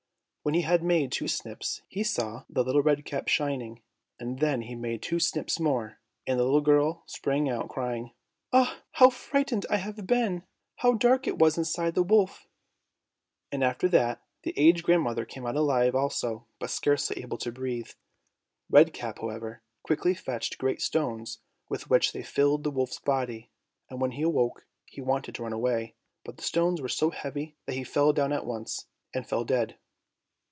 When he had made two snips, he saw the little Red Cap shining, and then he made two snips more, and the little girl sprang out, crying, "Ah, how frightened I have been! How dark it was inside the wolf;" and after that the aged grandmother came out alive also, but scarcely able to breathe. Red Cap, however, quickly fetched great stones with which they filled the wolf's body, and when he awoke, he wanted to run away, but the stones were so heavy that he fell down at once, and fell dead.